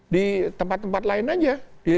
di tempat tempat lain aja